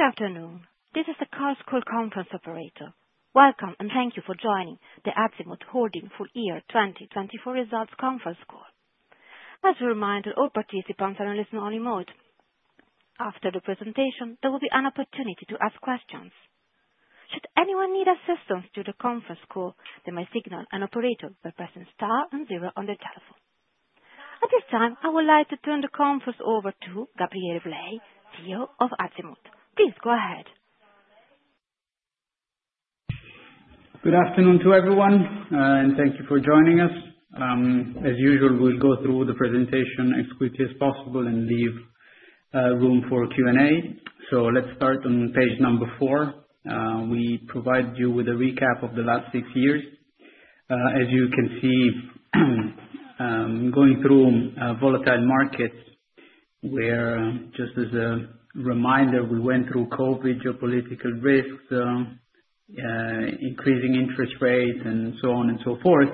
Good afternoon. This is the Chorus Call conference operator. Welcome, and thank you for joining the Azimut Holding full-year 2024 results conference call. As a reminder, all participants are on listen-only mode. After the presentation, there will be an opportunity to ask questions. Should anyone need assistance during the conference call, they may signal an operator by pressing star and zero on their telephone. At this time, I would like to turn the conference over to Gabriele Blei, CEO of Azimut. Please go ahead. Good afternoon to everyone, and thank you for joining us. As usual, we'll go through the presentation as quickly as possible and leave room for Q&A. So let's start on page number four. We provide you with a recap of the last six years. As you can see, going through volatile markets where, just as a reminder, we went through COVID, geopolitical risks, increasing interest rates, and so on and so forth.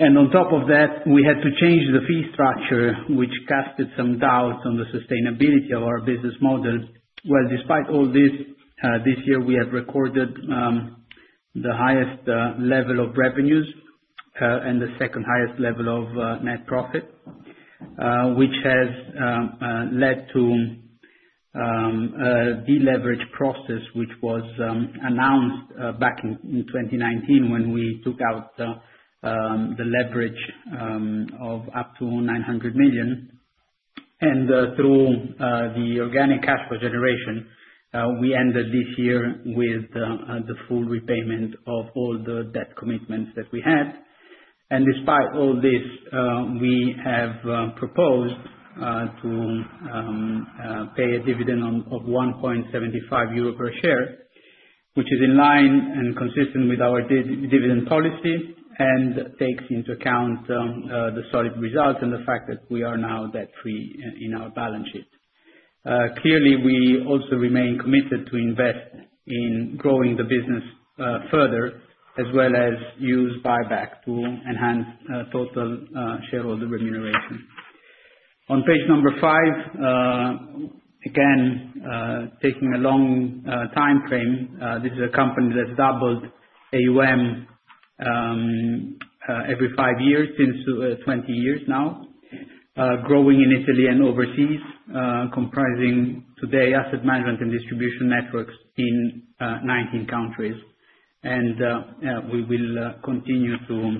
And on top of that, we had to change the fee structure, which cast some doubts on the sustainability of our business model. Well, despite all this, this year we have recorded the highest level of revenues and the second highest level of net profit, which has led to a deleveraged process which was announced back in 2019 when we took out the leverage of up to 900 million. Through the organic cash flow generation, we ended this year with the full repayment of all the debt commitments that we had. Despite all this, we have proposed to pay a dividend of 1.75 euro per share, which is in line and consistent with our dividend policy and takes into account the solid results and the fact that we are now debt-free in our balance sheet. Clearly, we also remain committed to invest in growing the business further, as well as use buyback to enhance total shareholder remuneration. On page number five, again, taking a long time frame, this is a company that's doubled AUM every five years since 20 years now, growing in Italy and overseas, comprising today asset management and distribution networks in 19 countries. We will continue to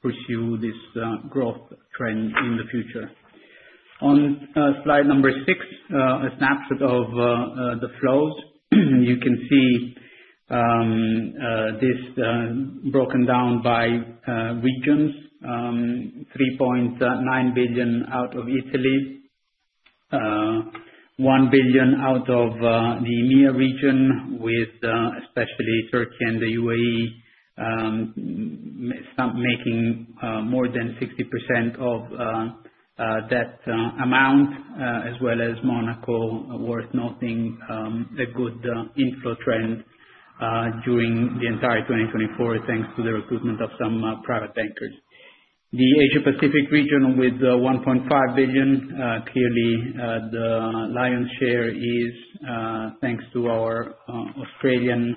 pursue this growth trend in the future. On slide number six, a snapshot of the flows. You can see this broken down by regions: 3.9 billion out of Italy, 1 billion out of the EMEA region, with especially Turkey and the UAE making more than 60% of that amount, as well as Monaco, worth noting a good inflow trend during the entire 2024, thanks to the recruitment of some private bankers. The Asia-Pacific region with 1.5 billion. Clearly, the lion's share is thanks to our Australian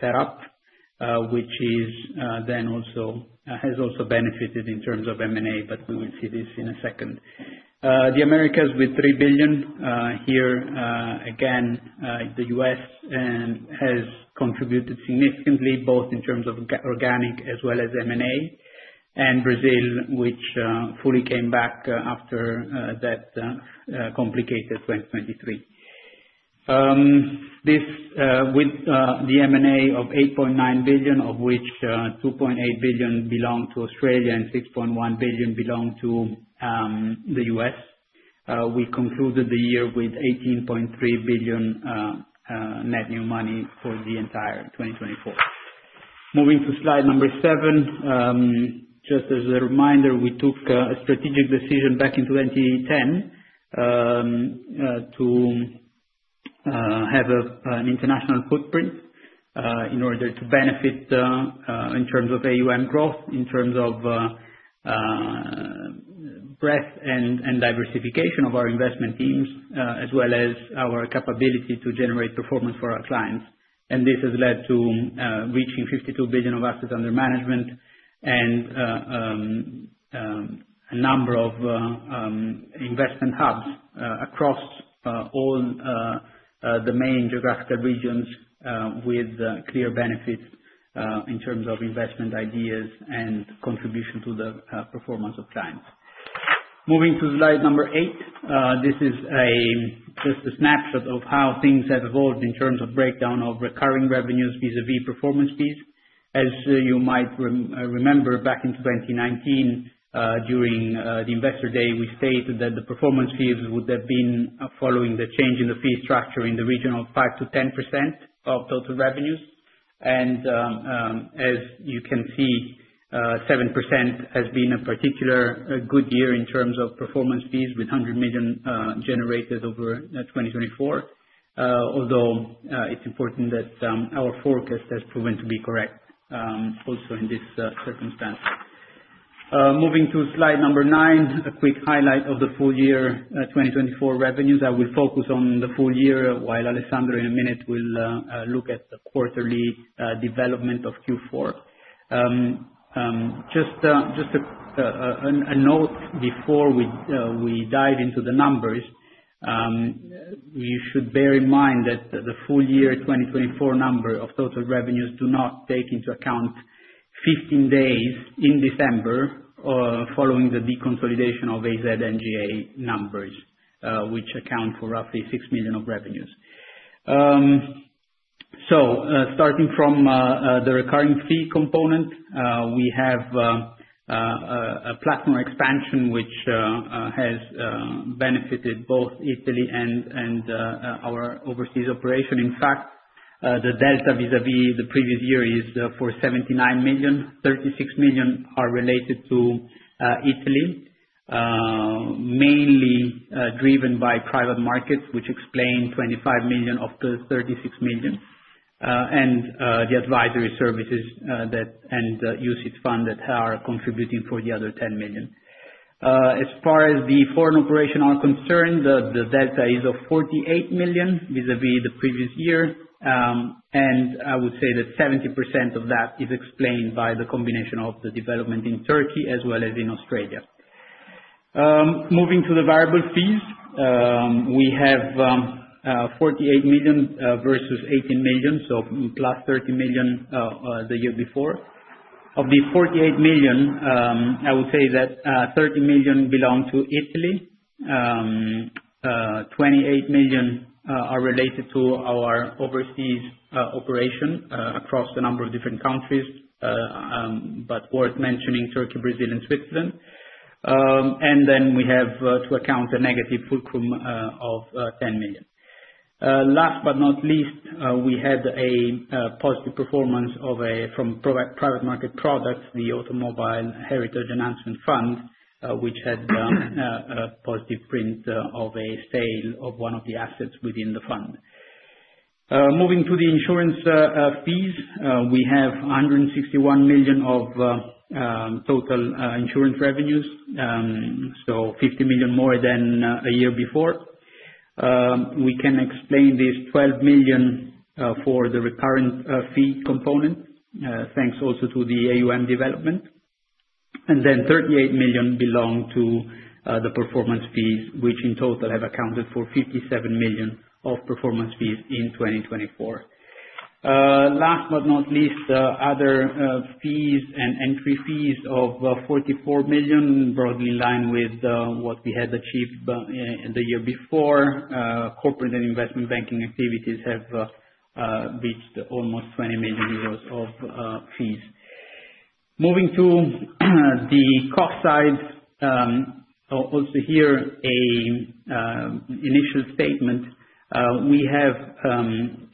setup, which then also benefited in terms of M&A, but we will see this in a second. The Americas with 3 billion. Here, again, the US has contributed significantly, both in terms of organic as well as M&A, and Brazil, which fully came back after that complicated 2023. With the M&A of 8.9 billion, of which 2.8 billion belonged to Australia and 6.1 billion belonged to the U.S., we concluded the year with 18.3 billion net new money for the entire 2024. Moving to slide number seven, just as a reminder, we took a strategic decision back in 2010 to have an international footprint in order to benefit in terms of AUM growth, in terms of breadth and diversification of our investment teams, as well as our capability to generate performance for our clients, and this has led to reaching 52 billion of assets under management and a number of investment hubs across all the main geographical regions, with clear benefits in terms of investment ideas and contribution to the performance of clients. Moving to slide number eight, this is just a snapshot of how things have evolved in terms of breakdown of recurring revenues vis-à-vis performance fees. As you might remember, back in 2019, during the Investor Day, we stated that the performance fees would have been following the change in the fee structure in the region of 5%-10% of total revenues, and as you can see, 7% has been a particular good year in terms of performance fees, with 100 million generated over 2024, although it's important that our forecast has proven to be correct also in this circumstance. Moving to slide number nine, a quick highlight of the full-year 2024 revenues. I will focus on the full year while Alessandro, in a minute, will look at the quarterly development of Q4. Just a note before we dive into the numbers, you should bear in mind that the full-year 2024 number of total revenues do not take into account 15 days in December following the deconsolidation of AZ NGA numbers, which account for roughly 6 million of revenues. So starting from the recurring fee component, we have a platform expansion which has benefited both Italy and our overseas operation. In fact, the delta vis-à-vis the previous year is for 79 million. 36 million are related to Italy, mainly driven by private markets, which explain 25 million of the 36 million, and the advisory services and mutual funds that are contributing for the other 10 million. As far as the foreign operations are concerned, the delta is of 48 million vis-à-vis the previous year, and I would say that 70% of that is explained by the combination of the development in Turkey as well as in Australia. Moving to the variable fees, we have 48 million versus 18 million, so plus 30 million the year before. Of these 48 million, I would say that 30 million belong to Italy, 28 million are related to our overseas operation across a number of different countries, but worth mentioning Turkey, Brazil, and Switzerland, and then we have to account a negative footprint of 10 million. Last but not least, we had a positive performance from private market products, the Automobile Heritage Enhancement Fund, which had a positive print of a sale of one of the assets within the fund. Moving to the insurance fees, we have 161 million of total insurance revenues, so 50 million more than a year before. We can explain these 12 million for the recurring fee component, thanks also to the AUM development, and then 38 million belong to the performance fees, which in total have accounted for 57 million of performance fees in 2024. Last but not least, other fees and entry fees of 44 million, broadly in line with what we had achieved the year before. Corporate and investment banking activities have reached almost 20 million euros of fees. Moving to the cost side, also here an initial statement. We have,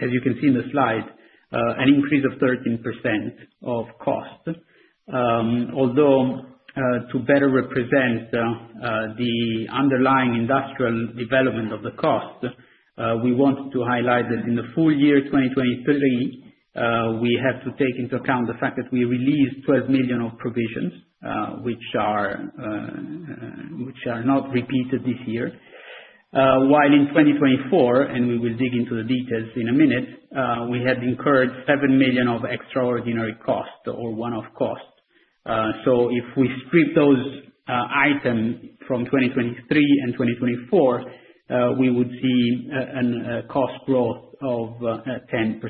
as you can see in the slide, an increase of 13% of costs. Although to better represent the underlying industrial development of the cost, we want to highlight that in the full year 2023, we have to take into account the fact that we released 12 million of provisions, which are not repeated this year. While in 2024, and we will dig into the details in a minute, we had incurred 7 million of extraordinary cost or one-off cost. So if we strip those items from 2023 and 2024, we would see a cost growth of 10%.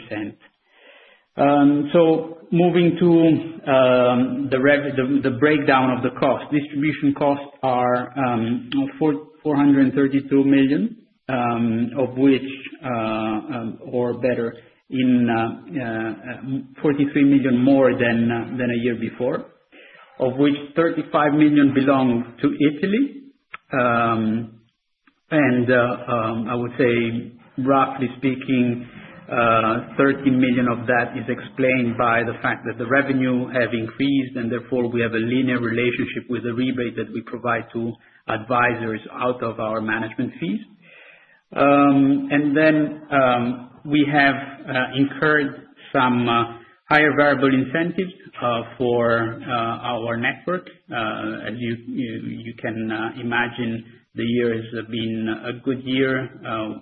So moving to the breakdown of the cost, distribution costs are 432 million, or better, 43 million more than a year before, of which 35 million belong to Italy. I would say, roughly speaking, 30 million of that is explained by the fact that the revenue has increased, and therefore we have a linear relationship with the rebate that we provide to advisors out of our management fees. And then we have incurred some higher variable incentives for our network. As you can imagine, the year has been a good year.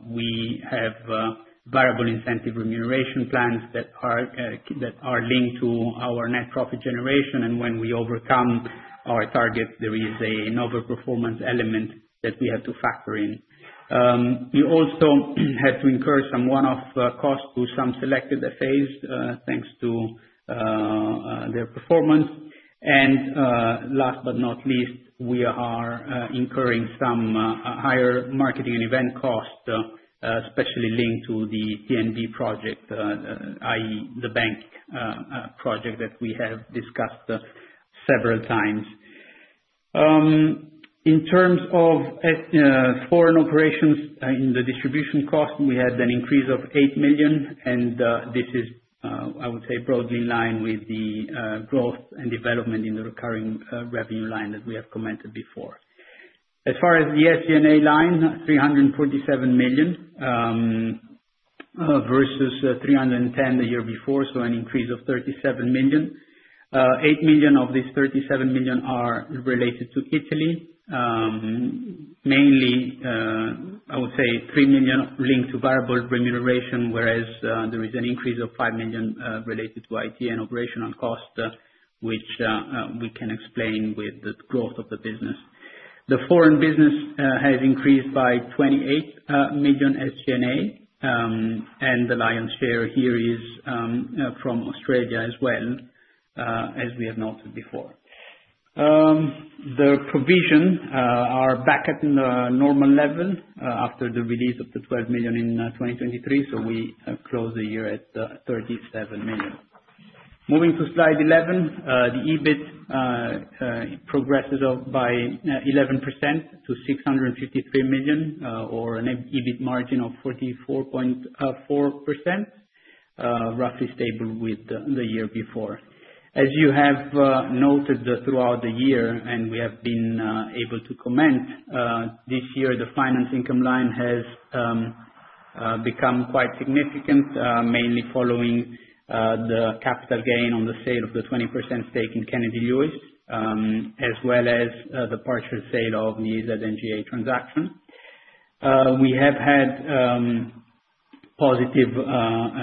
We have variable incentive remuneration plans that are linked to our net profit generation, and when we overcome our target, there is an overperformance element that we have to factor in. We also had to incur some one-off costs to some selected FAs, thanks to their performance. And last but not least, we are incurring some higher marketing and event costs, especially linked to the TNB Project, i.e., the bank project that we have discussed several times. In terms of foreign operations in the distribution cost, we had an increase of 8 million, and this is, I would say, broadly in line with the growth and development in the recurring revenue line that we have commented before. As far as the SG&A line, 347 million versus 310 million the year before, so an increase of 37 million. 8 million of these 37 million are related to Italy. Mainly, I would say, three million linked to variable remuneration, whereas there is an increase of five million related to IT and operational cost, which we can explain with the growth of the business. The foreign business has increased by 28 million SG&A, and the lion's share here is from Australia as well, as we have noted before. The provisions are back at the normal level after the release of 12 million in 2023, so we close the year at 37 million. Moving to slide 11, the EBIT progresses by 11% to 653 million, or an EBIT margin of 44.4%, roughly stable with the year before. As you have noted throughout the year, and we have been able to comment, this year the finance income line has become quite significant, mainly following the capital gain on the sale of the 20% stake in Kennedy Lewis, as well as the partial sale of the AZ NGA transaction. We have had positive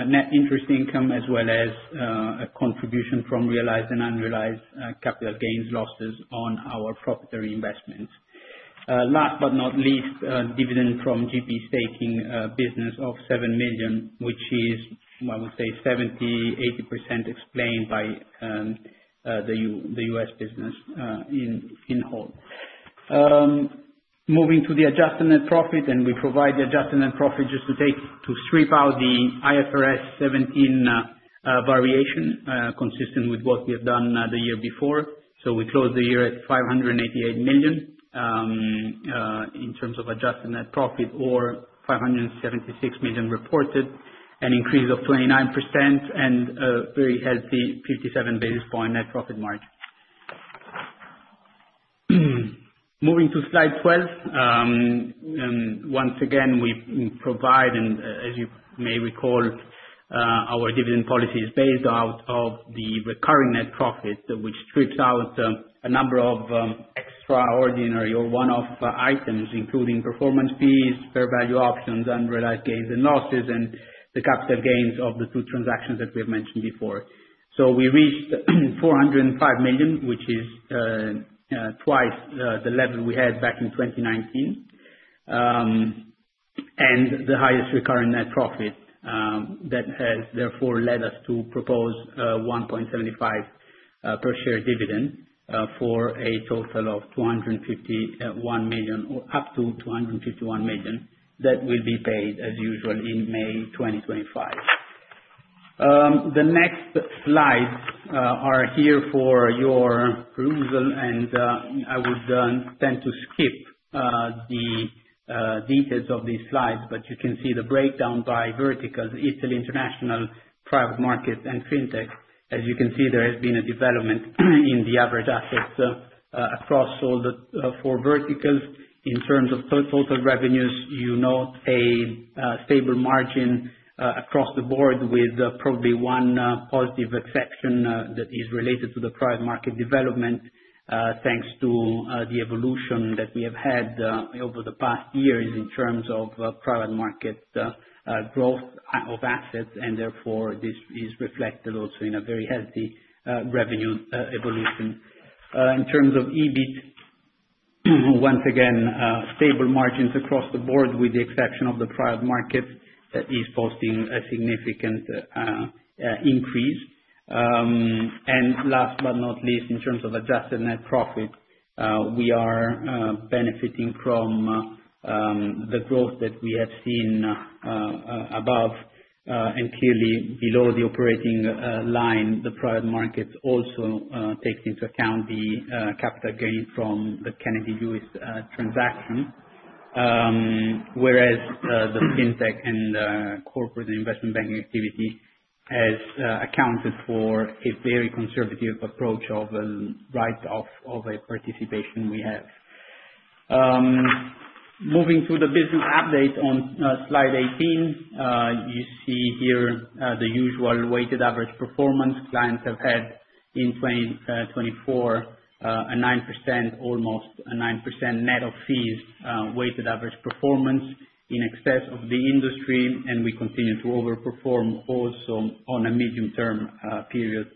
net interest income, as well as a contribution from realized and unrealized capital gains losses on our property investments. Last but not least, dividend from GP staking business of 7 million, which is, I would say, 70%-80% explained by the U.S. business in whole. Moving to the adjusted net profit, and we provide the adjusted net profit just to strip out the IFRS 17 variation, consistent with what we have done the year before. So we close the year at 588 million in terms of adjusted net profit, or 576 million reported, an increase of 29%, and a very healthy 57 basis points net profit margin. Moving to slide 12, once again, we provide, and as you may recall, our dividend policy is based out of the recurring net profit, which strips out a number of extraordinary or one-off items, including performance fees, fair value options, unrealized gains and losses, and the capital gains of the two transactions that we have mentioned before. So we reached 405 million, which is twice the level we had back in 2019, and the highest recurring net profit that has therefore led us to propose 1.75 per share dividend for a total of 251 million, or up to 251 million, that will be paid as usual in May 2025. The next slides are here for your perusal, and I would tend to skip the details of these slides, but you can see the breakdown by verticals: Italy, international, private markets, and fintech. As you can see, there has been a development in the average assets across all the four verticals. In terms of total revenues, you note a stable margin across the board, with probably one positive exception that is related to the private market development, thanks to the evolution that we have had over the past years in terms of private market growth of assets, and therefore this is reflected also in a very healthy revenue evolution. In terms of EBIT, once again, stable margins across the board, with the exception of the private market that is posting a significant increase. And last but not least, in terms of adjusted net profit, we are benefiting from the growth that we have seen above, and clearly below the operating line. The private market also takes into account the capital gain from the Kennedy Lewis transaction, whereas the fintech and corporate investment banking activity has accounted for a very conservative approach of a right of a participation we have. Moving to the business update on slide 18, you see here the usual weighted average performance clients have had in 2024, almost 9% net of fees, weighted average performance in excess of the industry, and we continue to overperform also on a medium-term period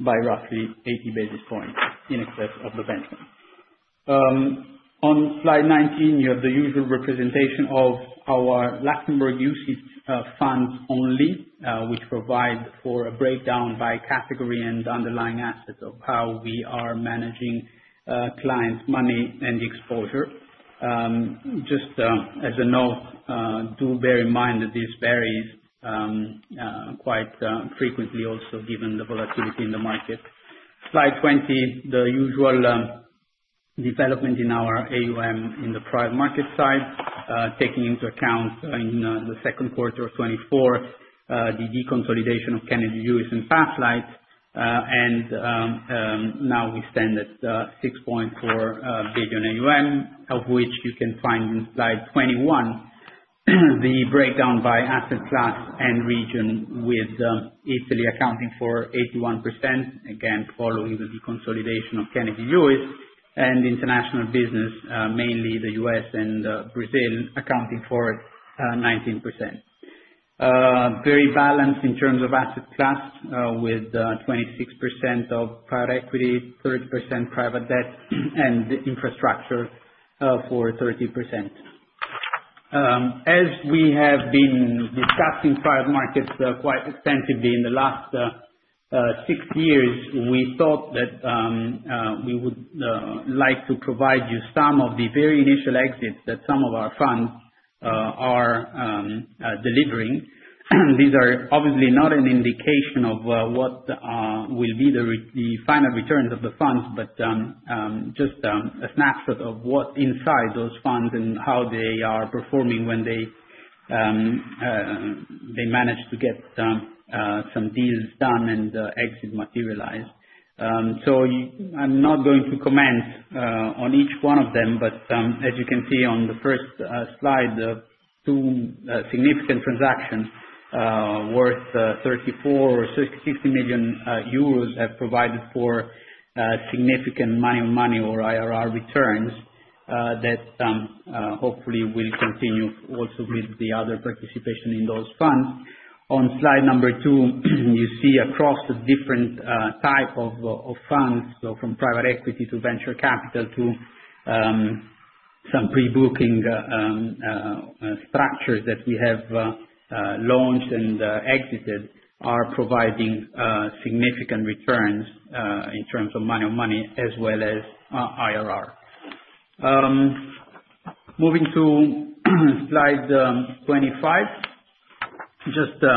by roughly 80 basis points in excess of the benchmark. On slide 19, you have the usual representation of our Luxembourg UCITS funds only, which provides for a breakdown by category and underlying assets of how we are managing clients' money and exposure. Just as a note, do bear in mind that this varies quite frequently also given the volatility in the market. Slide 20, the usual development in our AUM in the private market side, taking into account in the second quarter of 2024, the deconsolidation of Kennedy Lewis and Pathlight, and now we stand at 6.4 billion AUM, of which you can find in slide 21 the breakdown by asset class and region, with Italy accounting for 81%, again following the deconsolidation of Kennedy Lewis, and international business, mainly the U.S. and Brazil, accounting for 19%. Very balanced in terms of asset class, with 26% of private equity, 30% private debt, and infrastructure for 30%. As we have been discussing private markets quite extensively in the last six years, we thought that we would like to provide you some of the very initial exits that some of our funds are delivering. These are obviously not an indication of what will be the final returns of the funds, but just a snapshot of what's inside those funds and how they are performing when they manage to get some deals done and exit materialized. So I'm not going to comment on each one of them, but as you can see on the first slide, two significant transactions worth 34 million euros or 60 million euros have provided for significant money-on-money or IRR returns that hopefully will continue also with the other participation in those funds. On slide number two, you see across the different types of funds, so from private equity to venture capital to some pre-booking structures that we have launched and exited, are providing significant returns in terms of money-on-money as well as IRR. Moving to slide 25, just we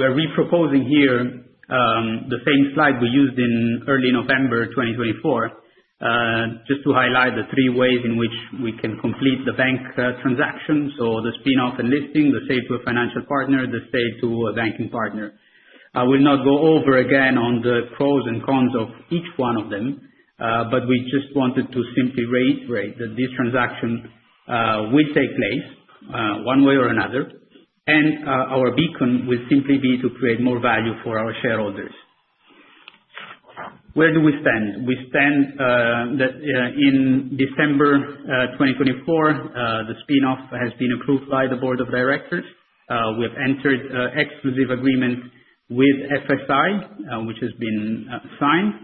are reproposing here the same slide we used in early November 2024, just to highlight the three ways in which we can complete the bank transactions, so the spin-off and listing, the sale to a financial partner, the sale to a banking partner. I will not go over again on the pros and cons of each one of them, but we just wanted to simply reiterate that this transaction will take place one way or another, and our beacon will simply be to create more value for our shareholders. Where do we stand? We stand that in December 2024, the spin-off has been approved by the board of directors. We have entered an exclusive agreement with FSI, which has been signed,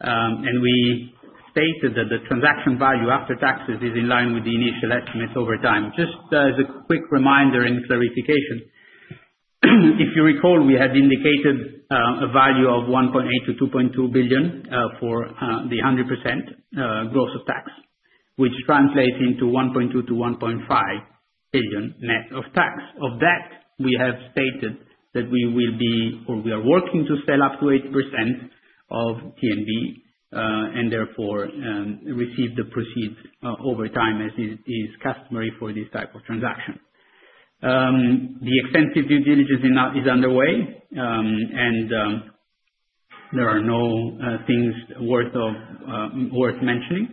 and we stated that the transaction value after taxes is in line with the initial estimates over time. Just as a quick reminder and clarification, if you recall, we had indicated a value of 1.8 billion-2.2 billion for the 100% gross of tax, which translates into 1.2 billion-1.5 billion net of tax. Of that, we have stated that we will be, or we are working to sell up to 80% of TNB, and therefore receive the proceeds over time as is customary for this type of transaction. The extensive due diligence is underway, and there are no things worth mentioning,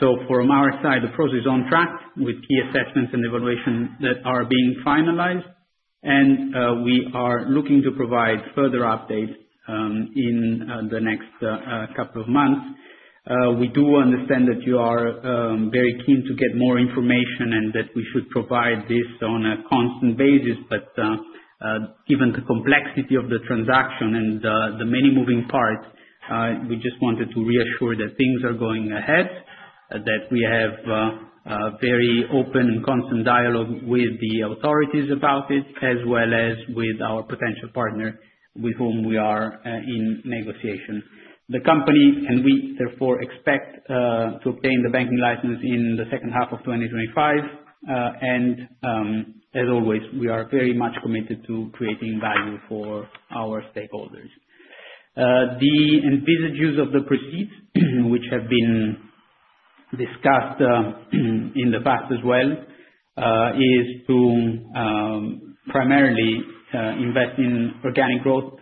so from our side, the process is on track with key assessments and evaluations that are being finalized, and we are looking to provide further updates in the next couple of months. We do understand that you are very keen to get more information and that we should provide this on a constant basis, but given the complexity of the transaction and the many moving parts, we just wanted to reassure that things are going ahead, that we have a very open and constant dialogue with the authorities about it, as well as with our potential partner with whom we are in negotiation. The company and we therefore expect to obtain the banking license in the second half of 2025, and as always, we are very much committed to creating value for our stakeholders. The envisaged use of the proceeds, which have been discussed in the past as well, is to primarily invest in organic growth,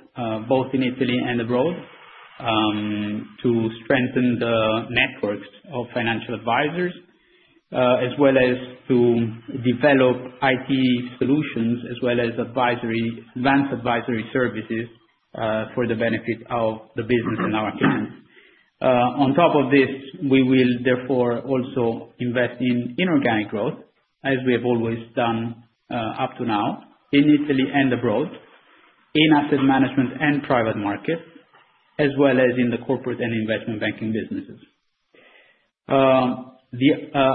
both in Italy and abroad, to strengthen the networks of financial advisors, as well as to develop IT solutions, as well as advanced advisory services for the benefit of the business and our clients. On top of this, we will therefore also invest in inorganic growth, as we have always done up to now, in Italy and abroad, in asset management and private markets, as well as in the corporate and investment banking businesses. The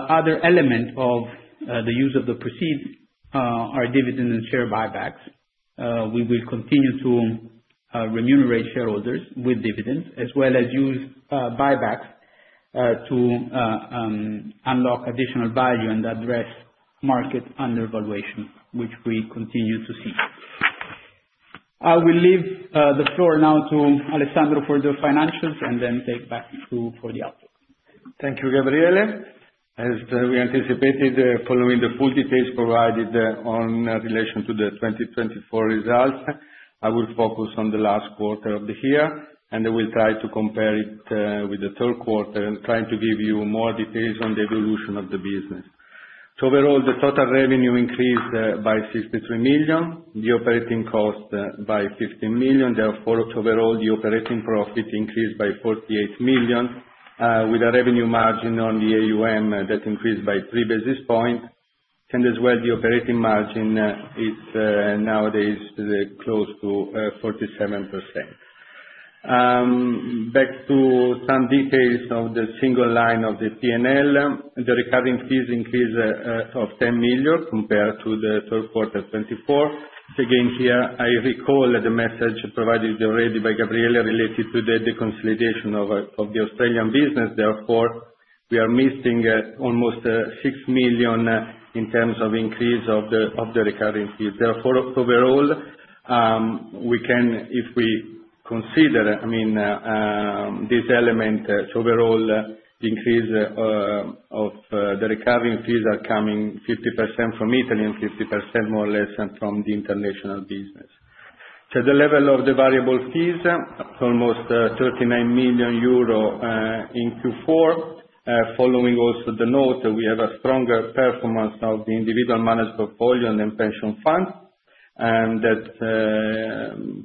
other element of the use of the proceeds are dividend and share buybacks. We will continue to remunerate shareholders with dividends, as well as use buybacks to unlock additional value and address market undervaluation, which we continue to see. I will leave the floor now to Alessandro for the financials and then take back to you for the outlook. Thank you, Gabriele. As we anticipated, following the full details provided in relation to the 2024 results, I will focus on the last quarter of the year, and I will try to compare it with the third quarter, trying to give you more details on the evolution of the business. Overall, the total revenue increased by 63 million, the operating cost by 15 million. Therefore, overall, the operating profit increased by 48 million, with a revenue margin on the AUM that increased by 3 basis points, and as well, the operating margin is nowadays close to 47%. Back to some details of the single line of the P&L, the recurring fees increased of 10 million compared to the third quarter of 2024. Again, here, I recall the message provided already by Gabriele related to the deconsolidation of the Australian business. Therefore, we are missing almost 6 million in terms of increase of the recurring fees. Therefore, overall, we can, if we consider, I mean, this element, so overall, the increase of the recurring fees are coming 50% from Italy and 50% more or less from the international business. To the level of the variable fees, almost 39 million euro in Q4, following also the note that we have a stronger performance of the individual managed portfolio and then pension funds, and that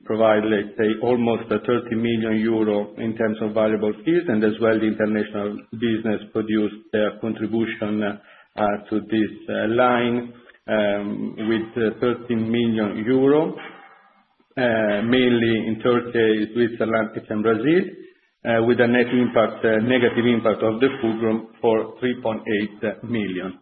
provides, let's say, almost 30 million euro in terms of variable fees, and as well, the international business produced their contribution to this line with 30 million euro, mainly in Turkey, Switzerland, and Brazil, with a net impact, negative impact of the full group for 3.8 million.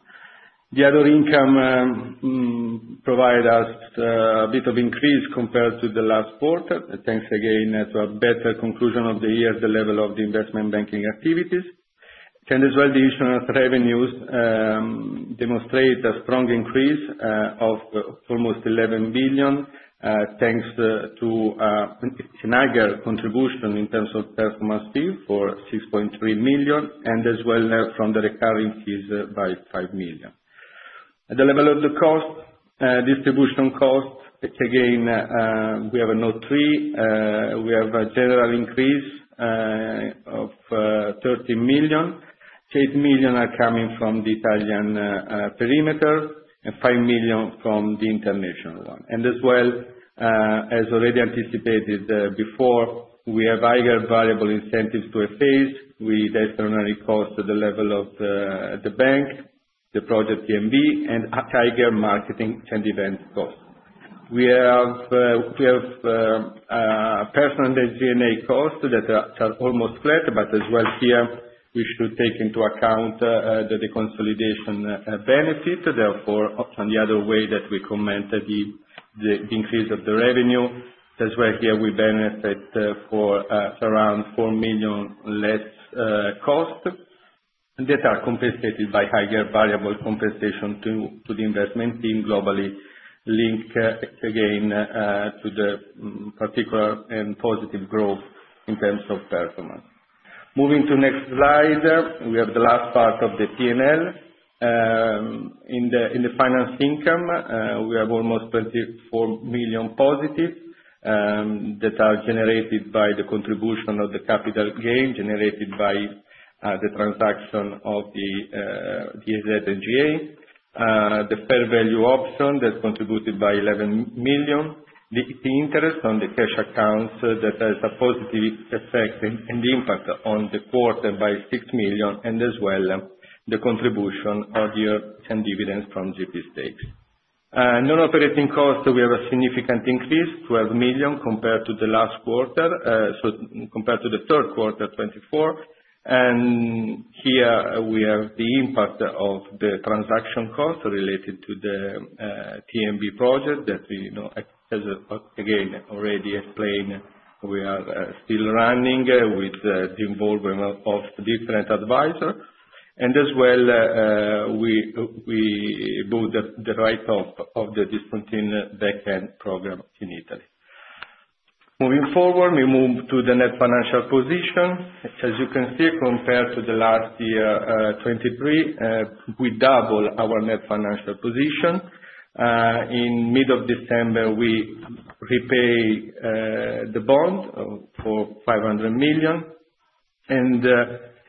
The other income provided us a bit of increase compared to the last quarter, thanks again to a better conclusion of the year, the level of the investment banking activities, and as well, the additional revenues demonstrate a strong increase of almost 11 billion, thanks to Schneider contribution in terms of performance fee for 6.3 million, and as well, from the recurring fees by 5 million. At the level of the cost, distribution cost, again, we have a note three. We have a general increase of 30 million. Eight million are coming from the Italian perimeter and 5 million from the international one, and as well, as already anticipated before, we have either variable incentives to FAs with external cost at the level of the bank, the project TNB, and higher marketing and event cost. We have personal and G&A costs that are almost flat, but as well, here, we should take into account the deconsolidation benefit. Therefore, on the other way that we commented the increase of the revenue, as well, here, we benefit for around 4 million less cost that are compensated by higher variable compensation to the investment team globally, linked again to the particular and positive growth in terms of performance. Moving to the next slide, we have the last part of the P&L. In the finance income, we have almost 24 million positive that are generated by the contribution of the capital gain generated by the transaction of the AZ NGA, the fair value option that contributed by 11 million, the interest on the cash accounts that has a positive effect and impact on the quarter by 6 million, and as well, the contribution of the dividends from GP stakes. Non-operating costs. We have a significant increase of 12 million compared to the last quarter, so compared to the third quarter 2024. Here, we have the impact of the transaction costs related to the TNB project that we, again, already explained. We are still running with the involvement of different advisors. As well, we bought the right of the discounting backend program in Italy. Moving forward, we move to the net financial position. As you can see, compared to the last year, 2023, we doubled our net financial position. In mid-December, we repay the bond for 500 million.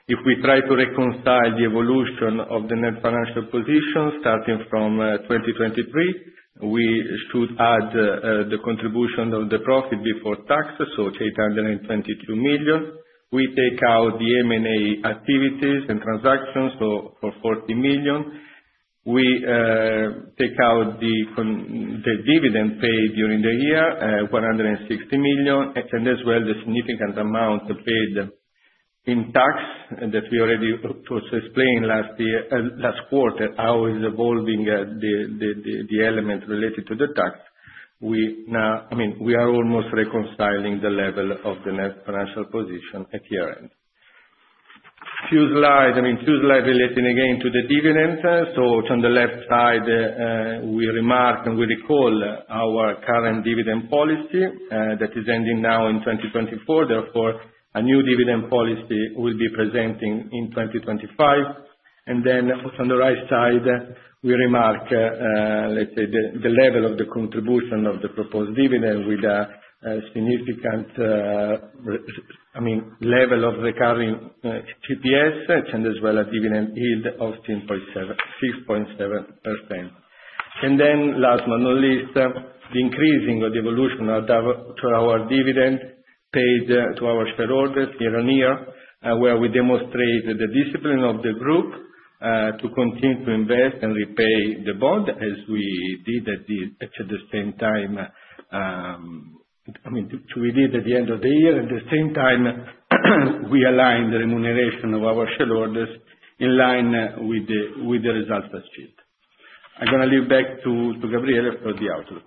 If we try to reconcile the evolution of the net financial position starting from 2023, we should add the contribution of the profit before taxes, so 822 million. We take out the M&A activities and transactions, so for 40 million. We take out the dividend paid during the year, 160 million, and as well, the significant amount paid in tax that we already explained last quarter, how is evolving the element related to the tax. I mean, we are almost reconciling the level of the net financial position at year-end. Few slides. I mean, few slides relating again to the dividend. So on the left side, we remark and we recall our current dividend policy that is ending now in 2024. Therefore, a new dividend policy will be presenting in 2025, and then on the right side, we remark, let's say, the level of the contribution of the proposed dividend with a significant, I mean, level of recurring GPs and as well as dividend yield of 6.7%. And then last but not least, the increasing of the evolution to our dividend paid to our shareholders year on year, where we demonstrate the discipline of the group to continue to invest and repay the bond as we did at the same time. I mean, we did at the end of the year. At the same time, we align the remuneration of our shareholders in line with the results achieved. I'm going to hand back to Gabriele for the outlook.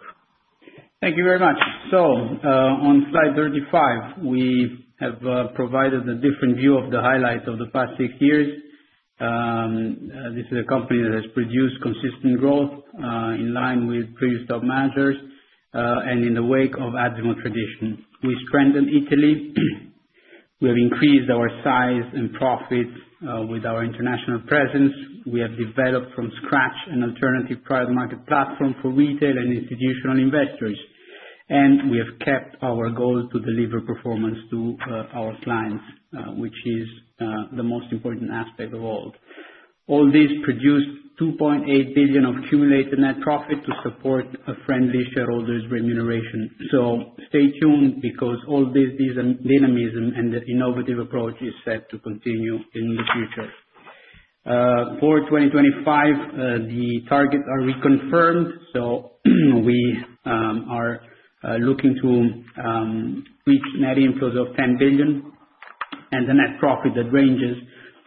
Thank you very much. So on slide 35, we have provided a different view of the highlights of the past six years. This is a company that has produced consistent growth in line with previous top management and in the wake of admirable tradition. We strengthened Italy. We have increased our size and profit with our international presence. We have developed from scratch an alternative private market platform for retail and institutional investors, and we have kept our goal to deliver performance to our clients, which is the most important aspect of all. All this produced 2.8 billion of cumulated net profit to support a friendly shareholders' remuneration, so stay tuned because all this dynamism and the innovative approach is set to continue in the future. For 2025, the targets are reconfirmed, so we are looking to reach net inflows of 10 billion and the net profit that ranges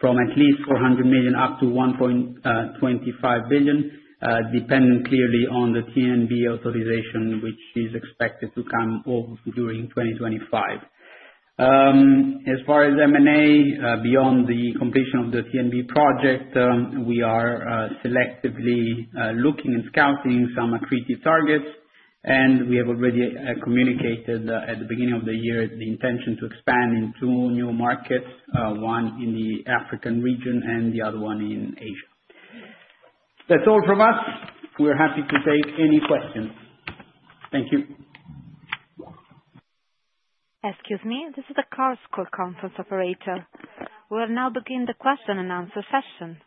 from at least 400 million up to 1.25 billion, depending clearly on the TNB authorization, which is expected to come over during 2025. As far as M&A, beyond the completion of the TNB project, we are selectively looking and scouting some accretive targets. And we have already communicated at the beginning of the year the intention to expand into new markets, one in the African region and the other one in Asia. That's all from us. We're happy to take any questions. Thank you. Excuse me. This is a Chorus Call Conference operator. We will now begin the question and answer session.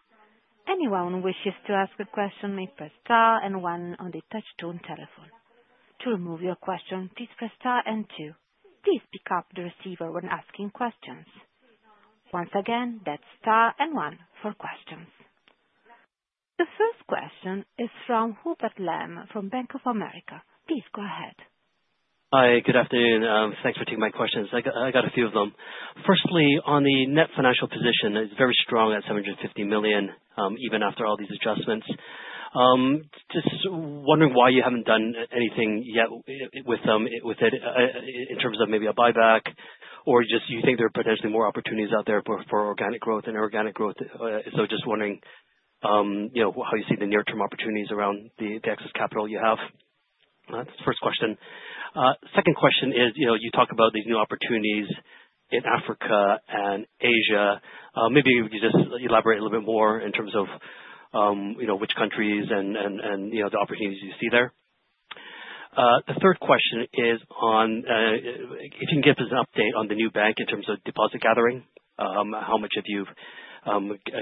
Anyone who wishes to ask a question may press star and one on the touch-tone telephone. To remove your question, please press star and two. Please pick up the receiver when asking questions. Once again, that's star and one for questions. The first question is from Hubert Lam from Bank of America. Please go ahead. Hi. Good afternoon. Thanks for taking my questions. I got a few of them. Firstly, on the net financial position, it's very strong at 750 million, even after all these adjustments. Just wondering why you haven't done anything yet with it in terms of maybe a buyback, or just you think there are potentially more opportunities out there for organic growth and inorganic growth? So just wondering how you see the near-term opportunities around the excess capital you have? That's the first question. Second question is, you talk about these new opportunities in Africa and Asia. Maybe you could just elaborate a little bit more in terms of which countries and the opportunities you see there? The third question is on if you can give us an update on the new bank in terms of deposit gathering, how much have you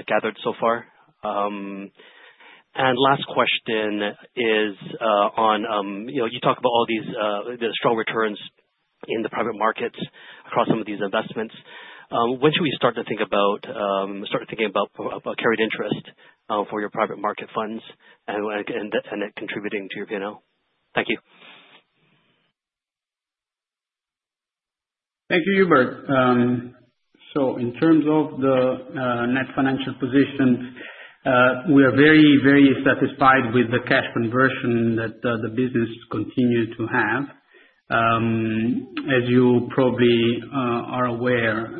gathered so far? And last question is on you talk about all these strong returns in the private markets across some of these investments? When should we start thinking about carried interest for your private market funds and that contributing to your P&L? Thank you. Thank you, Hubert. So in terms of the net financial position, we are very, very satisfied with the cash conversion that the business continues to have. As you probably are aware,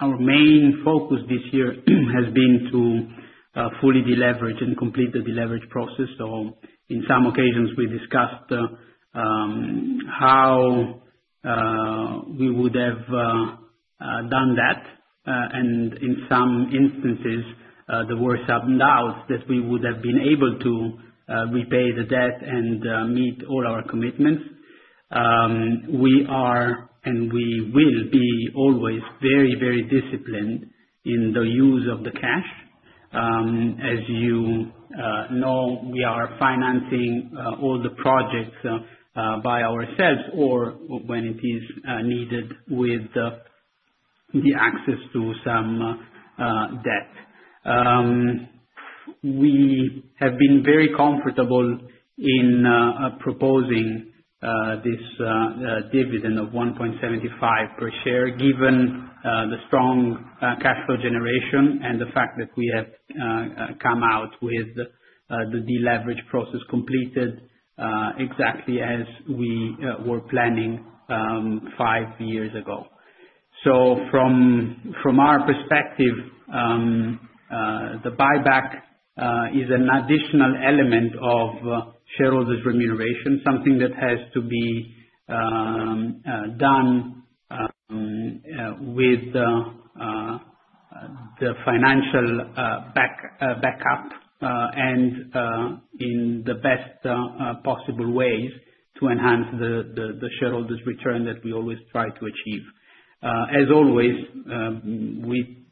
our main focus this year has been to fully deleverage and complete the deleverage process. So in some occasions, we discussed how we would have done that. And in some instances, the worst of doubts that we would have been able to repay the debt and meet all our commitments. We are and we will be always very, very disciplined in the use of the cash. As you know, we are financing all the projects by ourselves or when it is needed with the access to some debt. We have been very comfortable in proposing this dividend of 1.75 per share, given the strong cash flow generation and the fact that we have come out with the deleverage process completed exactly as we were planning five years ago. So from our perspective, the buyback is an additional element of shareholders' remuneration, something that has to be done with the financial backup and in the best possible ways to enhance the shareholders' return that we always try to achieve. As always, we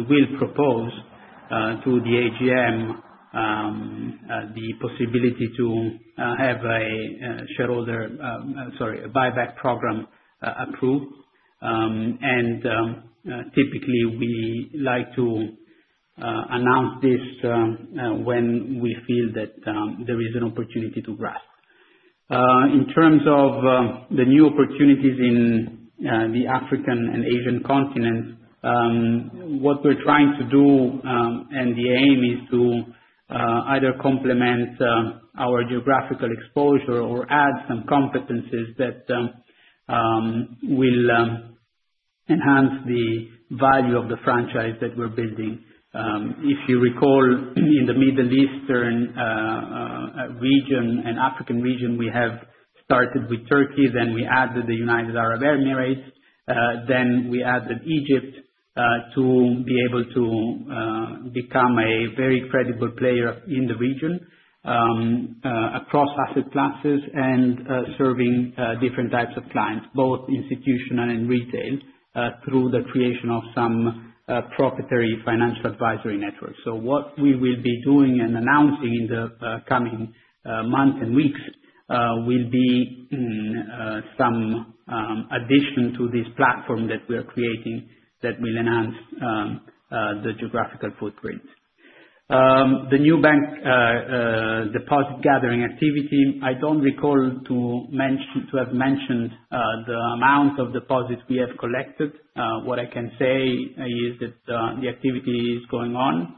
will propose to the AGM the possibility to have a shareholder, sorry, a buyback program approved. And typically, we like to announce this when we feel that there is an opportunity to grasp. In terms of the new opportunities in the African and Asian continent, what we're trying to do and the aim is to either complement our geographical exposure or add some competencies that will enhance the value of the franchise that we're building. If you recall, in the Middle Eastern region and African region, we have started with Turkey, then we added the United Arab Emirates, then we added Egypt to be able to become a very credible player in the region across asset classes and serving different types of clients, both institutional and retail, through the creation of some proprietary financial advisory network. So what we will be doing and announcing in the coming months and weeks will be some addition to this platform that we are creating that will enhance the geographical footprint. The new bank deposit gathering activity. I don't recall to have mentioned the amount of deposits we have collected. What I can say is that the activity is going on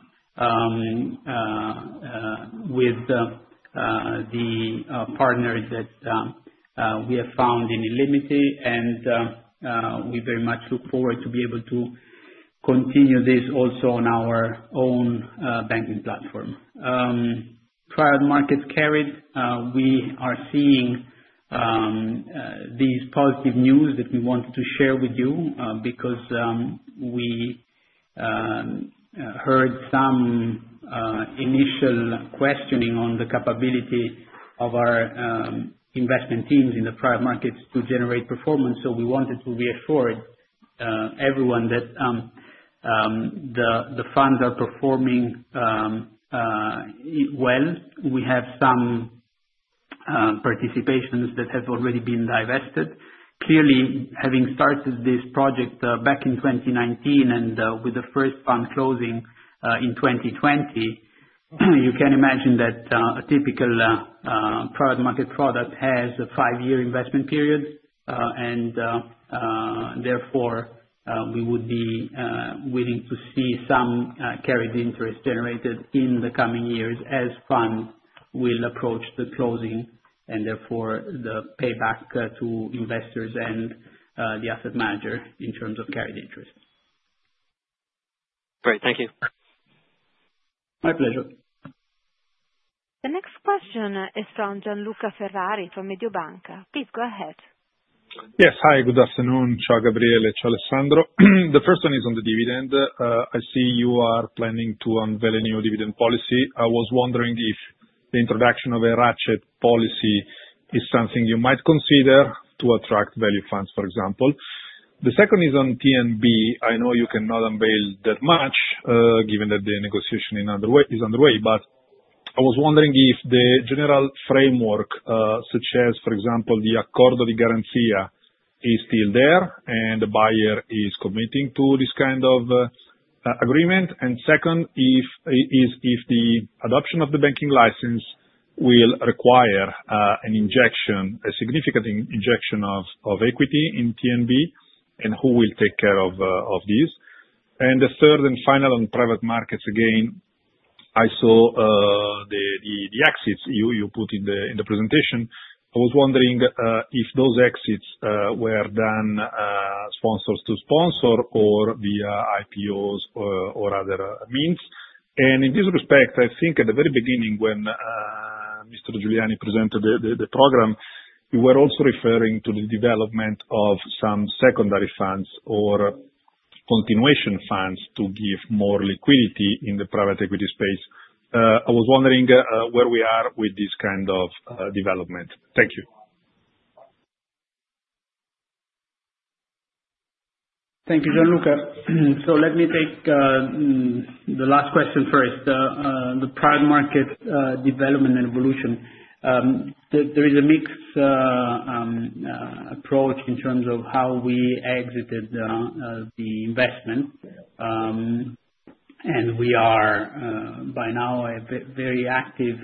with the partners that we have found in illimity, and we very much look forward to be able to continue this also on our own banking platform. Private market carried, we are seeing these positive news that we wanted to share with you because we heard some initial questioning on the capability of our investment teams in the private markets to generate performance. So we wanted to reassure everyone that the funds are performing well. We have some participations that have already been divested. Clearly, having started this project back in 2019 and with the first fund closing in 2020, you can imagine that a typical private market product has a five-year investment period. And therefore, we would be willing to see some carried interest generated in the coming years as funds will approach the closing and therefore the payback to investors and the asset manager in terms of carried interest. Great. Thank you. My pleasure. The next question is from Gianluca Ferrari from Mediobanca. Please go ahead. Yes. Hi. Good afternoon. Ciao, Gabriele. Ciao, Alessandro. The first one is on the dividend. I see you are planning to unveil a new dividend policy. I was wondering if the introduction of a ratchet policy is something you might consider to attract value funds, for example. The second is on TNB. I know you cannot unveil that much given that the negotiation is underway, but I was wondering if the general framework, such as, for example, the Accordo di garanzia, is still there and the buyer is committing to this kind of agreement. And second, if the adoption of the banking license will require a significant injection of equity in TNB and who will take care of this? And the third and final on private markets, again, I saw the exits you put in the presentation. I was wondering if those exits were from sponsors to sponsor or via IPOs or other means. And in this respect, I think at the very beginning when Mr. Giuliani presented the program, you were also referring to the development of some secondary funds or continuation funds to give more liquidity in the private equity space. I was wondering where we are with this kind of development. Thank you. Thank you, Gianluca. So let me take the last question first, the private market development and evolution. There is a mixed approach in terms of how we exited the investment. We are by now very active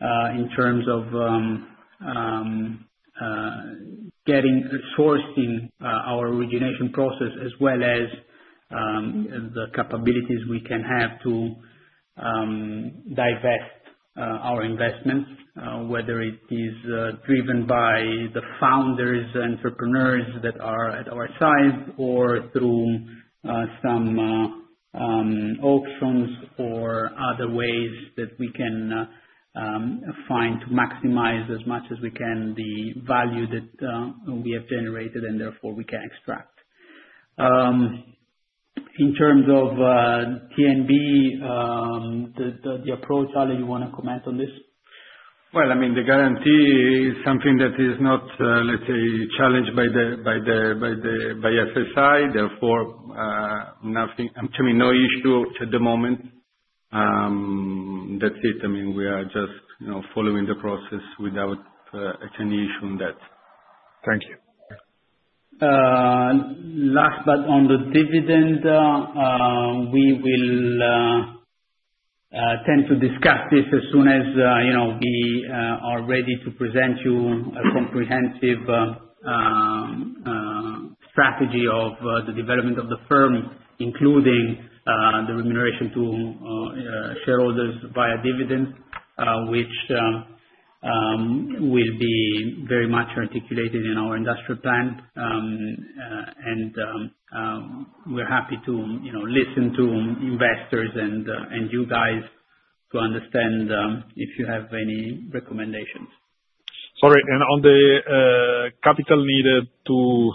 in terms of sourcing our origination process as well as the capabilities we can have to divest our investments, whether it is driven by the founders, entrepreneurs that are at our side, or through some auctions or other ways that we can find to maximize as much as we can the value that we have generated and therefore we can extract. In terms of TNB, the approach, Ale, you want to comment on this? I mean, the guarantee is something that is not, let's say, challenged by FSI. Therefore, I'm assuming no issue at the moment. That's it. I mean, we are just following the process without any issue on that. Thank you. Last but on the dividend, we will attempt to discuss this as soon as we are ready to present you a comprehensive strategy of the development of the firm, including the remuneration to shareholders via dividends, which will be very much articulated in our industrial plan. And we're happy to listen to investors and you guys to understand if you have any recommendations. Sorry. And on the capital needed to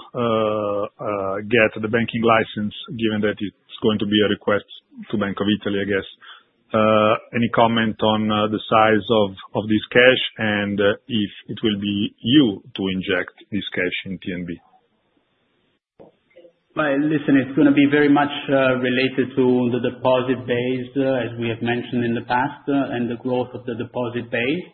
get the banking license, given that it's going to be a request to Bank of Italy, I guess, any comment on the size of this cash and if it will be you to inject this cash in TNB? Well, listen, it's going to be very much related to the deposit base, as we have mentioned in the past, and the growth of the deposit base.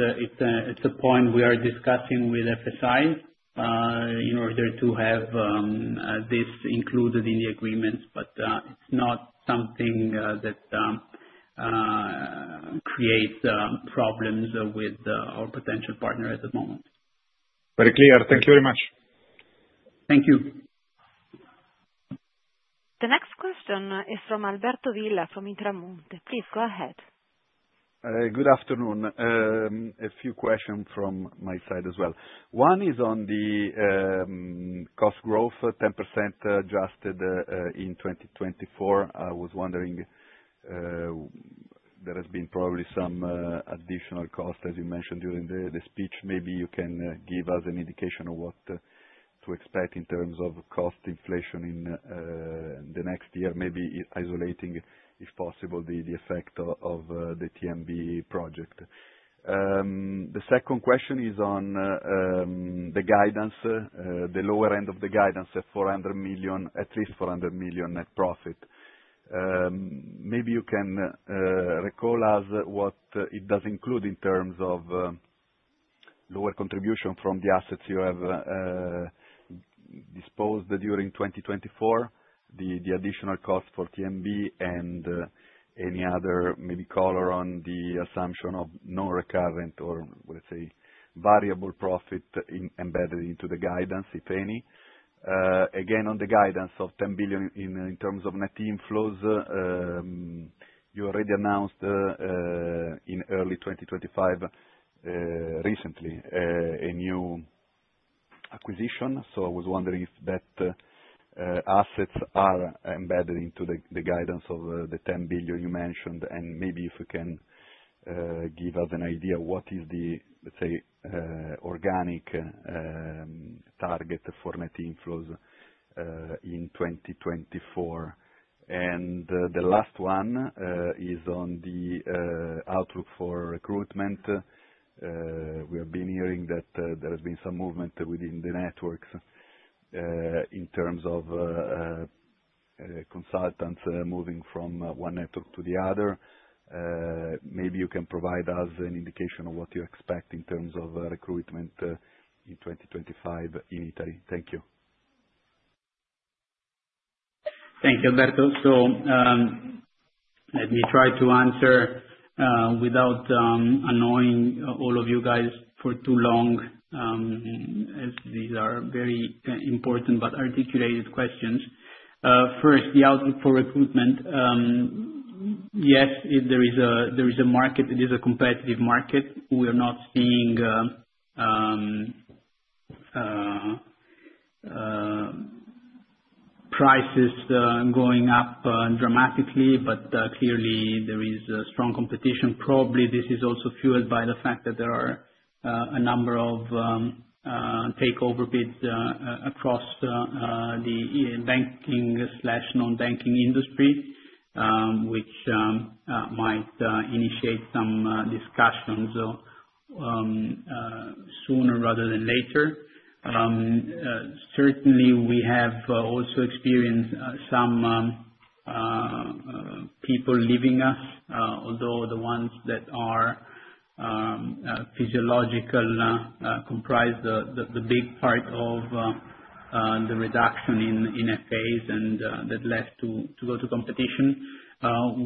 It's a point we are discussing with FSI in order to have this included in the agreement, but it's not something that creates problems with our potential partner at the moment. Very clear. Thank you very much. Thank you. The next question is from Alberto Villa from Intermonte. Please go ahead. Good afternoon. A few questions from my side as well. One is on the cost growth, 10% adjusted in 2024. I was wondering there has been probably some additional cost, as you mentioned during the speech. Maybe you can give us an indication of what to expect in terms of cost inflation in the next year, maybe isolating, if possible, the effect of the TNB project. The second question is on the guidance, the lower end of the guidance at 400 million, at least 400 million net profit. Maybe you can recall us what it does include in terms of lower contribution from the assets you have disposed during 2024, the additional cost for TNB, and any other maybe color on the assumption of non-recurrent or, let's say, variable profit embedded into the guidance, if any? Again, on the guidance of 10 billion in terms of net inflows, you already announced in early 2025 recently a new acquisition. So I was wondering if that assets are embedded into the guidance of the 10 billion you mentioned, and maybe if you can give us an idea of what is the, let's say, organic target for net inflows in 2024? And the last one is on the outlook for recruitment. We have been hearing that there has been some movement within the networks in terms of consultants moving from one network to the other. Maybe you can provide us an indication of what you expect in terms of recruitment in 2025 in Italy? Thank you. Thank you, Alberto. So let me try to answer without annoying all of you guys for too long, as these are very important but articulated questions. First, the outlook for recruitment. Yes, there is a market. It is a competitive market. We are not seeing prices going up dramatically, but clearly, there is strong competition. Probably this is also fueled by the fact that there are a number of takeover bids across the banking/non-banking industry, which might initiate some discussions sooner rather than later. Certainly, we have also experienced some people leaving us, although the ones that are physiological comprise the big part of the reduction in FAs and that led to go to competition.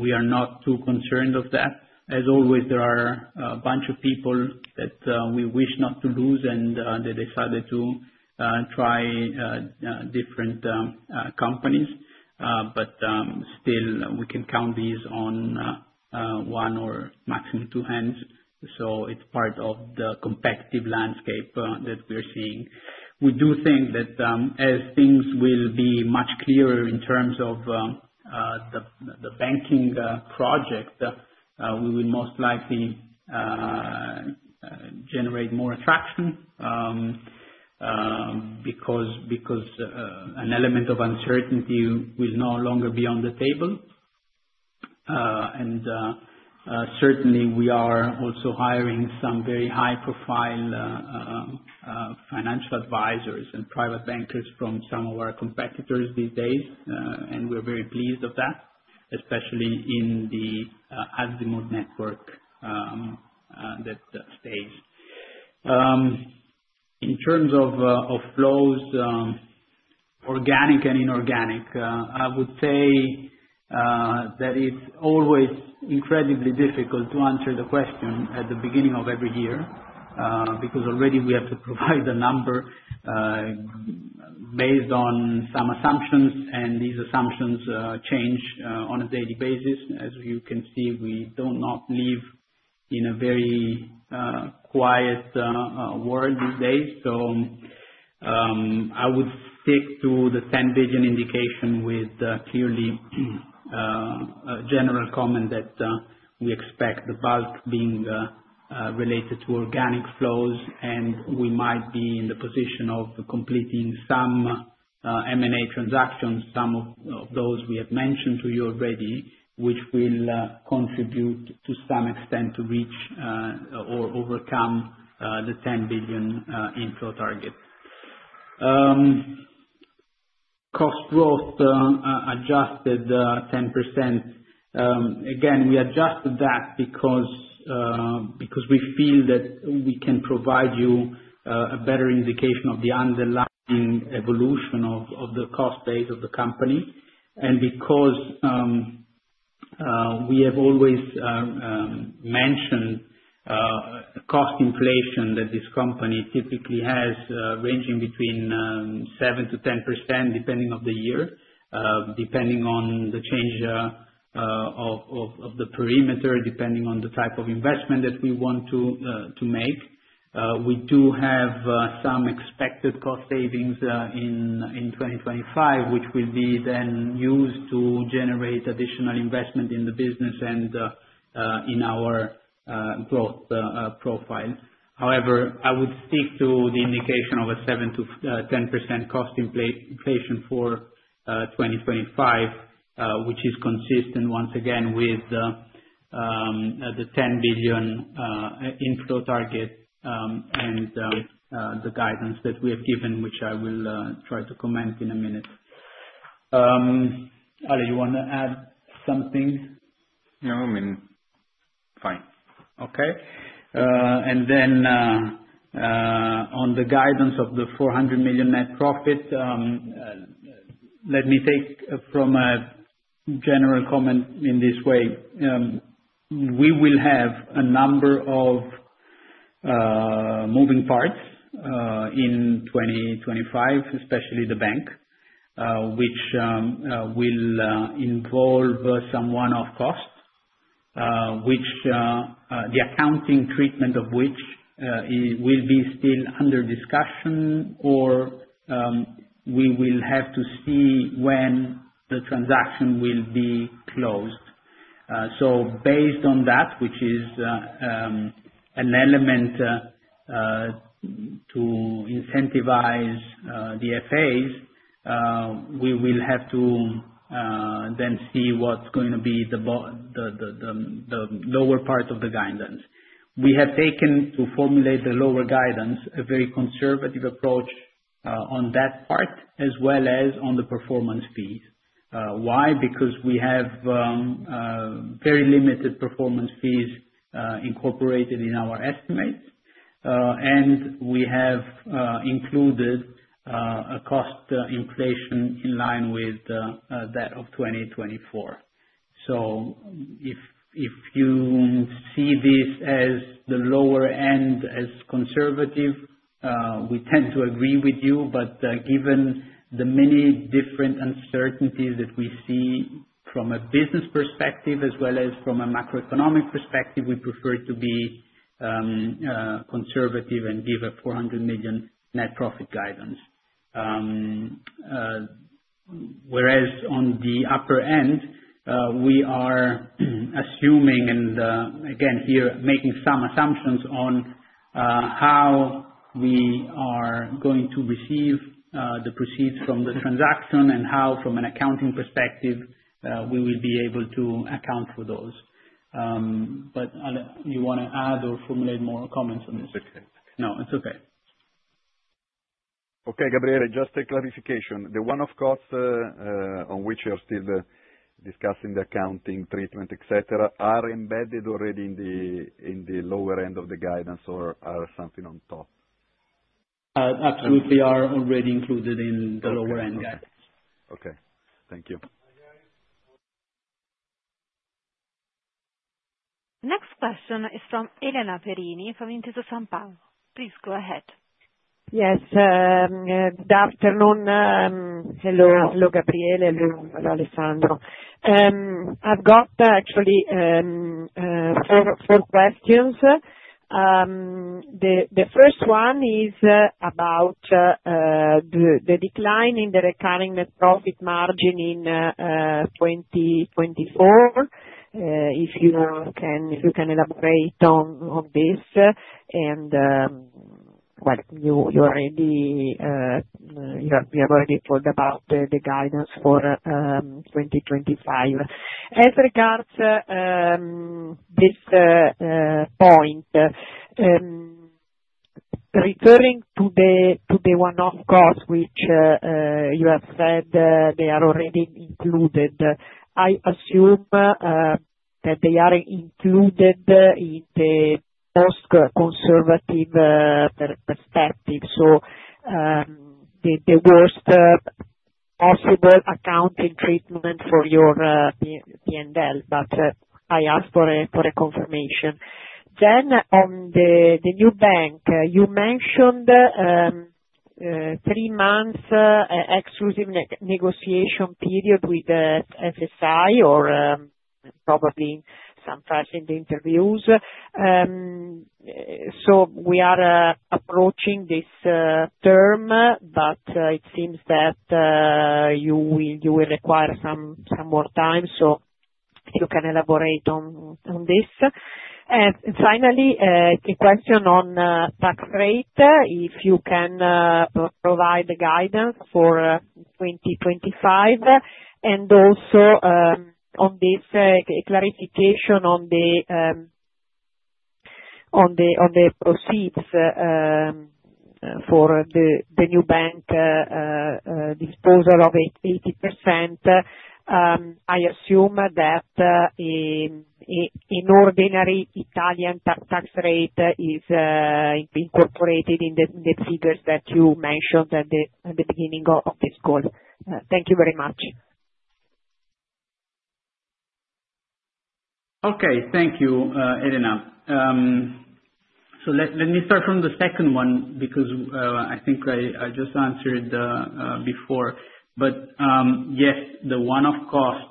We are not too concerned of that. As always, there are a bunch of people that we wish not to lose, and they decided to try different companies. But still, we can count these on one or maximum two hands. So it's part of the competitive landscape that we are seeing. We do think that as things will be much clearer in terms of the banking project, we will most likely generate more attraction because an element of uncertainty will no longer be on the table. And certainly, we are also hiring some very high-profile financial advisors and private bankers from some of our competitors these days, and we're very pleased of that, especially in the Azimut network that stays. In terms of flows, organic and inorganic, I would say that it's always incredibly difficult to answer the question at the beginning of every year because already we have to provide the number based on some assumptions, and these assumptions change on a daily basis. As you can see, we do not live in a very quiet world these days. So I would stick to the 10 billion indication with clearly a general comment that we expect the bulk being related to organic flows, and we might be in the position of completing some M&A transactions, some of those we have mentioned to you already, which will contribute to some extent to reach or overcome the 10 billion inflow target. Cost growth adjusted 10%. Again, we adjusted that because we feel that we can provide you a better indication of the underlying evolution of the cost base of the company. Because we have always mentioned cost inflation that this company typically has ranging between 7%-10% depending on the year, depending on the change of the perimeter, depending on the type of investment that we want to make. We do have some expected cost savings in 2025, which will be then used to generate additional investment in the business and in our growth profile. However, I would stick to the indication of a 7%-10% cost inflation for 2025, which is consistent once again with the 10 billion inflow target and the guidance that we have given, which I will try to comment in a minute. Ale, you want to add something? No, I mean, fine. Okay. And then on the guidance of the 400 million net profit, let me take from a general comment in this way. We will have a number of moving parts in 2025, especially the bank, which will involve some one-off cost, which the accounting treatment of which will be still under discussion, or we will have to see when the transaction will be closed. Based on that, which is an element to incentivize the FAs, we will have to then see what's going to be the lower part of the guidance. We have taken to formulate the lower guidance a very conservative approach on that part as well as on the performance fees. Why? Because we have very limited performance fees incorporated in our estimates, and we have included a cost inflation in line with that of 2024. If you see this as the lower end as conservative, we tend to agree with you. But given the many different uncertainties that we see from a business perspective as well as from a macroeconomic perspective, we prefer to be conservative and give a 400 million net profit guidance. Whereas on the upper end, we are assuming, and again here making some assumptions on how we are going to receive the proceeds from the transaction and how from an accounting perspective we will be able to account for those. But Ale, you want to add or formulate more comments on this? It's okay. No, it's okay. Okay, Gabriele, just a clarification. The one-off costs on which you are still discussing the accounting treatment, etc., are embedded already in the lower end of the guidance or are something on top? Absolutely, are already included in the lower end guidance. Okay. Thank you. Next question is from Elena Perini from Intesa Sanpaolo. Please go ahead. Yes. Good afternoon. Hello. Hello, Gabriele. Hello, Alessandro. I've got actually four questions. The first one is about the decline in the recurring net profit margin in 2024. If you can elaborate on this and, well, you already told about the guidance for 2025. As regards this point, referring to the one-off cost, which you have said they are already included, I assume that they are included in the most conservative perspective, so the worst possible accounting treatment for your P&L, but I ask for a confirmation, then on the new bank, you mentioned three months exclusive negotiation period with FSI or probably sometimes in the interviews, so we are approaching this term, but it seems that you will require some more time, so if you can elaborate on this, and finally, a question on tax rate, if you can provide the guidance for 2025. And also on this clarification on the proceeds for the new bank disposal of 80%, I assume that an ordinary Italian tax rate is incorporated in the figures that you mentioned at the beginning of this call. Thank you very much. Okay. Thank you, Elena. So let me start from the second one because I think I just answered before. But yes, the one-off cost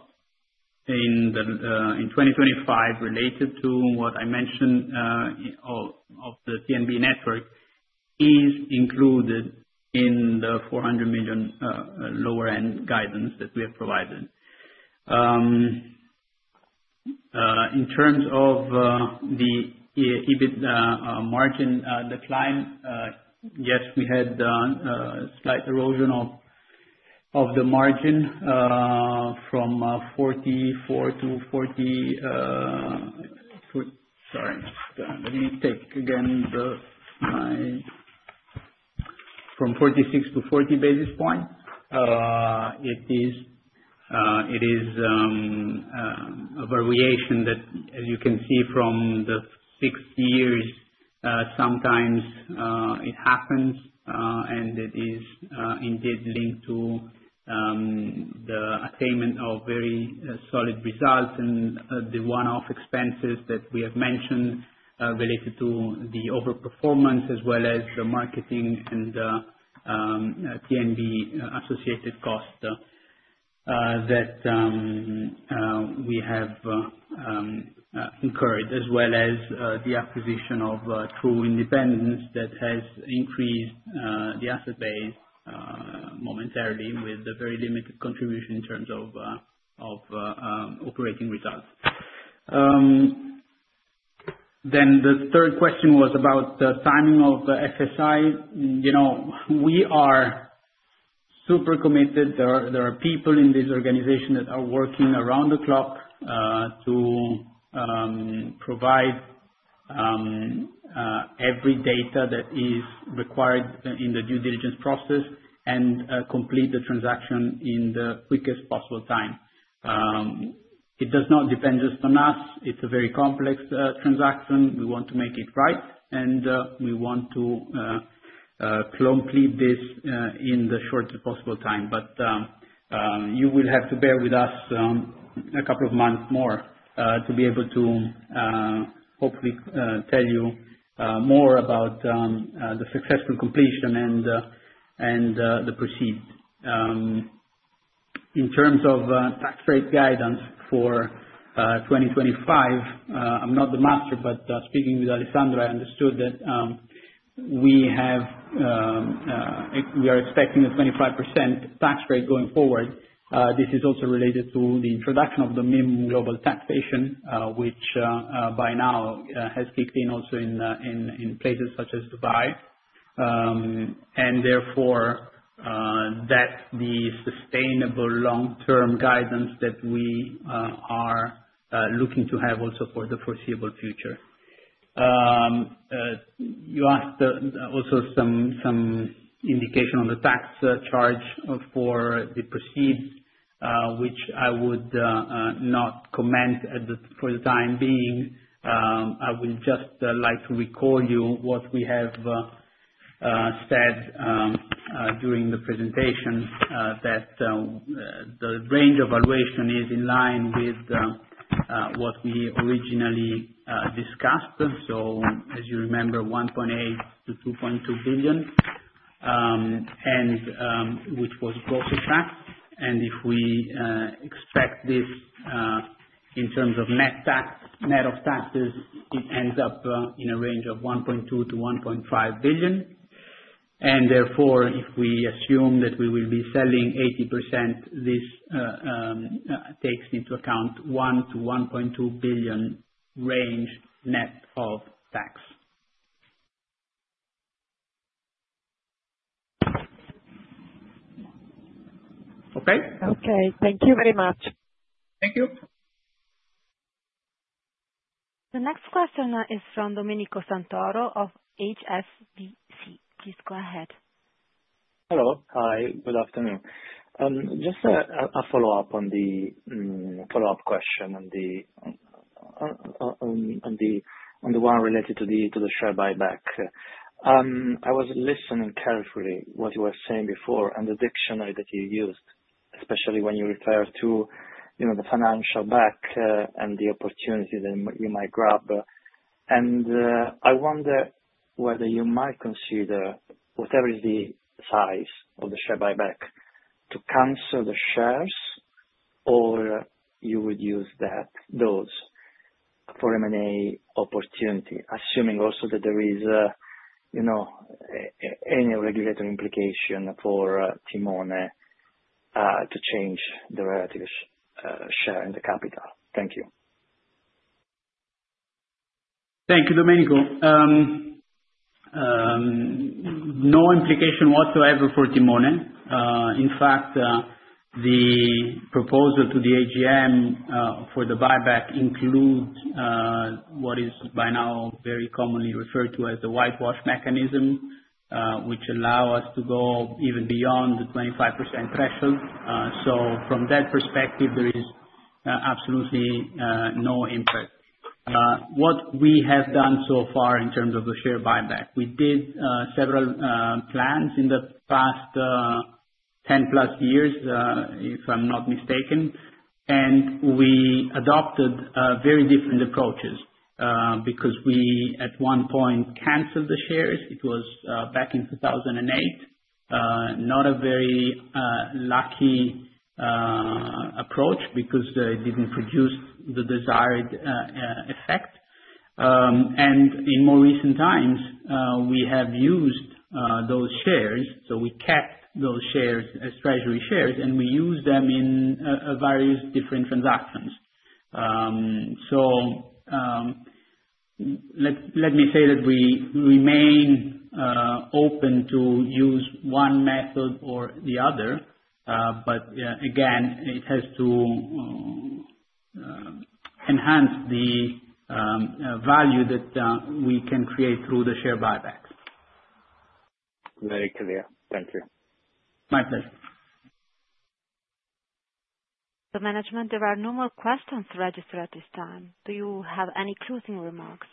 in 2025 related to what I mentioned of the TNB network is included in the 400 million lower end guidance that we have provided. In terms of the EBIT margin decline, yes, we had slight erosion of the margin from 44 to 40. Sorry. Let me take again my from 46 to 40 basis points. It is a variation that, as you can see from the six years, sometimes it happens, and it is indeed linked to the attainment of very solid results and the one-off expenses that we have mentioned related to the overperformance as well as the marketing and TNB associated cost that we have incurred, as well as the acquisition of Tru Independence that has increased the asset base momentarily with the very limited contribution in terms of operating results. Then the third question was about the timing of FSI. We are super committed. There are people in this organization that are working around the clock to provide every data that is required in the due diligence process and complete the transaction in the quickest possible time. It does not depend just on us. It's a very complex transaction. We want to make it right, and we want to complete this in the shortest possible time. But you will have to bear with us a couple of months more to be able to hopefully tell you more about the successful completion and the proceeds. In terms of tax rate guidance for 2025, I'm not the master, but speaking with Alessandro, I understood that we are expecting a 25% tax rate going forward. This is also related to the introduction of the minimum global taxation, which by now has kicked in also in places such as Dubai. And therefore, that's the sustainable long-term guidance that we are looking to have also for the foreseeable future. You asked also some indication on the tax charge for the proceeds, which I would not comment for the time being. I would just like to recall you what we have said during the presentation, that the range of valuation is in line with what we originally discussed. So as you remember, 1.8 billion-2.2 billion, which was gross of tax. And if we expect this in terms of net taxes, it ends up in a range of 1.2 billion-1.5 billion. And therefore, if we assume that we will be selling 80%, this takes into account 1 billion-1.2 billion range net of tax. Okay? Okay. Thank you very much. Thank you. The next question is from Domenico Santoro of HSBC. Please go ahead. Hello. Hi. Good afternoon. Just a follow-up on the follow-up question on the one related to the share buyback. I was listening carefully to what you were saying before and the diction that you used, especially when you refer to the financial backdrop and the opportunity that you might grasp. I wonder whether you might consider what is the size of the share buyback to cancel the shares, or you would use those for M&A opportunity, assuming also that there is any regulatory implication for Timone to change the relative share in the capital. Thank you. Thank you, Domenico. No implication whatsoever for Timone. In fact, the proposal to the AGM for the buyback includes what is by now very commonly referred to as the whitewash mechanism, which allows us to go even beyond the 25% threshold. So from that perspective, there is absolutely no impact. What we have done so far in terms of the share buyback, we did several plans in the past 10-plus years, if I'm not mistaken, and we adopted very different approaches because we at one point canceled the shares. It was back in 2008, not a very lucky approach because it didn't produce the desired effect. And in more recent times, we have used those shares. So we kept those shares as treasury shares, and we use them in various different transactions. So let me say that we remain open to use one method or the other. But again, it has to enhance the value that we can create through the share buyback. Very clear. Thank you. My pleasure. The management, there are no more questions registered at this time. Do you have any closing remarks?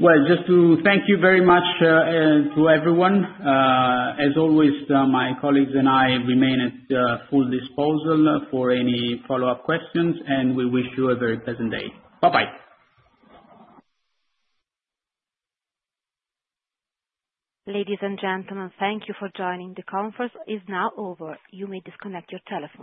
Well, just to thank you very much to everyone. As always, my colleagues and I remain at full disposal for any follow-up questions, and we wish you a very pleasant day. Bye-bye. Ladies and gentlemen, thank you for joining. The conference is now over. You may disconnect your telephone.